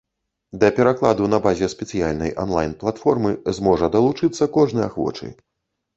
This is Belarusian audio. Да перакладу на базе спецыяльнай анлайн-платформы зможа далучыцца кожны ахвочы.